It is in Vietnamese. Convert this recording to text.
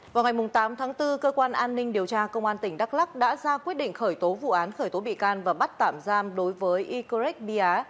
vào ngày tám tháng bốn cơ quan an ninh điều tra công an tỉnh đắk lắc đã ra quyết định khởi tố vụ án khởi tố bị can và bắt tạm giam đối với yorrect bia